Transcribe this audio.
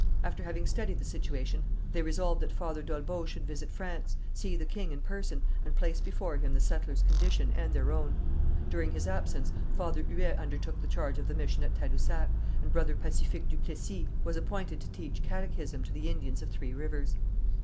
After having studied the situation they resolved that Father d'Olbeau should visit France, see the king in person, and place before him the settlers' condition and their own. During his absence Father Huet undertook the charge of the mission at Tadousac, and Brother Pacifique du Plessis was appointed to teach catechism to the Indians of Three Rivers.